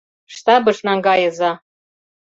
- Штабыш наҥгайыза!